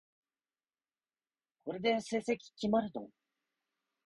これで成績決まるの？